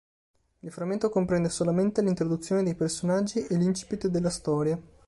Il frammento comprende solamente l’introduzione dei personaggi e l’incipit della storia.